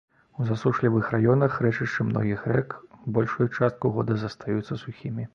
У засушлівых раёнах рэчышчы многіх рэк большую частку года застаюцца сухімі.